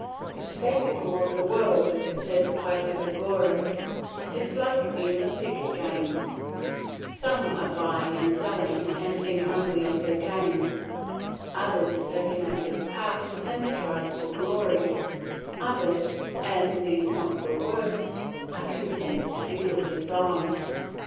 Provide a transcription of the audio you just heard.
"The spectacle of the world," said Pythagoras, "is like the Olympic games; some are buying and selling and think only of their gains; others take an active part and strive for glory; others, and these not the worst, are content to be lookers on."